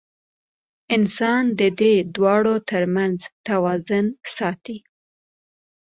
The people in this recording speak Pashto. انسان د دې دواړو تر منځ توازن ساتي.